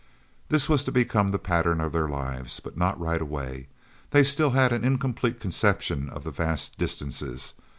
This was to become the pattern of their lives. But not right away. They still had an incomplete conception of the vast distances.